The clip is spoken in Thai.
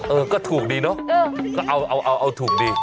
เออก็ถูกดีเนอะก็เอาถูกดี